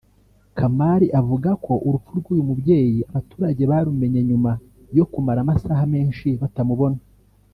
Kamali avuga ko urupfu rw’uyu mubyeyi abaturage barumenye nyuma yo kumara amasaha menshi batamubona